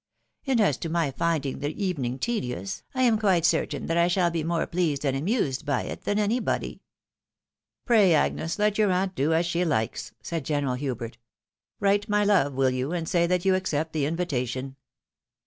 And as to my finding the evening tedious, I am quite certain that I shall be more pleased and amused by it than anybody." " Pray, Agnes, let your aunt do as she likes," said Gene ral Hubert. " Write, my love, wiU you, and say that you accept the invitation."